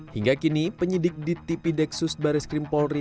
hingga kini penyidik dtp dexus baris krimpolri